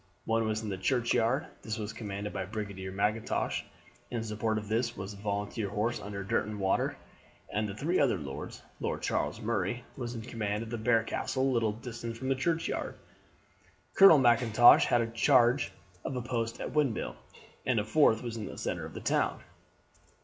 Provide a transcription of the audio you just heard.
One was in the churchyard, and this was commanded by Brigadier Mackintosh. In support of this was the volunteer horse under Derwentwater and the three other lords. Lord Charles Murray was in command at a barricade at a little distance from the churchyard. Colonel Mackintosh had charge of a post at a windmill; and the fourth was in the centre of the town.